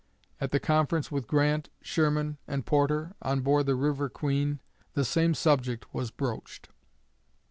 And at the conference with Grant, Sherman, and Porter, on board the "River Queen," the same subject was broached.